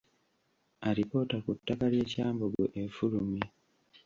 Alipoota ku ttaka ly’e Kyambogo efulumye.